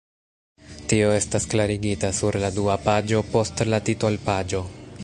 Tio estas klarigita sur la dua paĝo post la titolpaĝo.